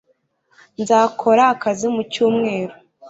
Nzakora akazi mu cyumweru.